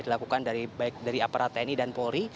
dilakukan dari baik dari aparat tni dan polri